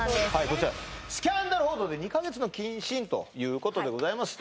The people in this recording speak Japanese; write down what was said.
こちらスキャンダル報道で２か月の謹慎ということでございますね